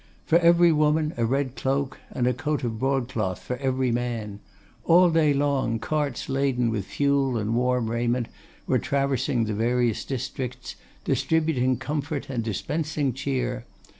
For every woman a red cloak, and a coat of broadcloth for every man. All day long, carts laden with fuel and warm raiment were traversing the various districts, distributing comfort and dispensing cheer.